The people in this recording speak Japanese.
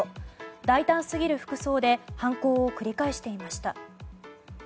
大胆すぎる服装で犯行を繰り返していました。